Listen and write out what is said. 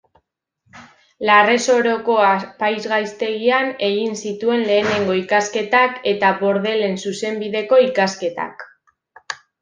Larresoroko apaizgaitegian egin zituen lehenengo ikasketak, eta Bordelen zuzenbideko ikasketak.